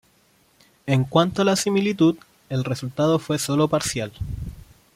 En cuanto a la similitud, el resultado fue sólo parcial.